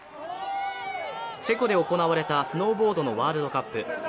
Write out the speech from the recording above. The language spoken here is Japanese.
チェコで行われたスノーボードのワールドカップ。